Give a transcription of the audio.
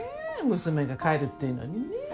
娘が帰るっていうのにねぇ。